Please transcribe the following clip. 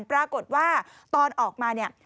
ปรากฏว่าตอนออกมาเนี่ย